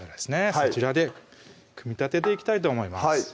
そちらで組み立てていきたいと思います